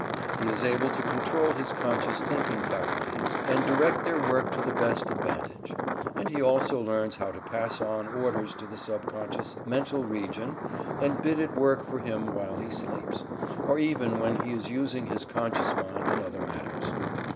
He is able to control his conscious thinking faculties, and direct their work to the best advantage, and he also learns how to pass on orders to the subconscious mental region and bid it work for him while he sleeps, or even when he is using his conscious mind in other matters.